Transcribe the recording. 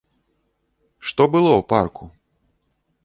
Што было ў парку?